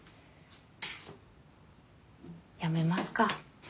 やめますか。